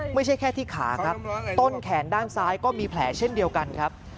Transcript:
ไม่ใช่แค่ที่ขาครับต้นแขนด้านซ้ายก็มีแผลเช่นเดียวกันครับ